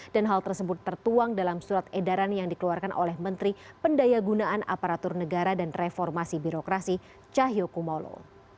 dan hal tersebut tertuang dalam surat edaran yang dikeluarkan oleh menteri pendaya gunaan aparatur negara dan reformasi birokrasi cahyokumolo